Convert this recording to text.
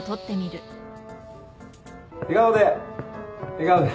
笑顔で。